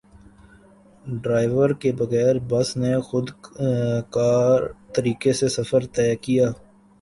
driver کے بغیر bus نے خودکار طریقے سے سفر طے کیا